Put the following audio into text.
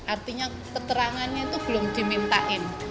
artinya keterangannya itu belum dimintain